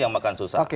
yang makan susah